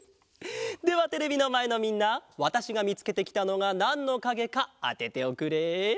ではテレビのまえのみんなわたしがみつけてきたのがなんのかげかあてておくれ。